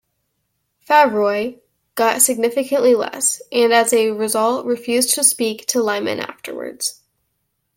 Favreau got significantly less, and as a result refused to speak to Liman afterwards.